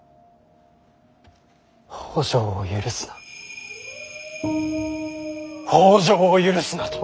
北条を許すな北条を許すなと。